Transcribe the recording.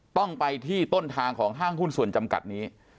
ต้องไปที่ต้นทางของห้างหุ้นส่วนจำกัดนี้